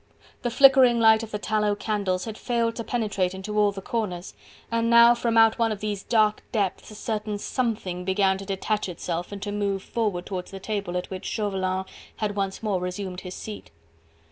The flickering light of the tallow candles had failed to penetrate into all the corners, and now from out one of these dark depths, a certain something began to detach itself, and to move forward towards the table at which Chauvelin had once more resumed his seat.